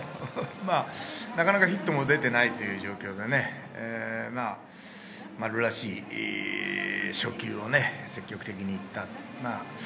なかなかヒットも出ていないという状況で、丸らしい初球をね、積極的に行った。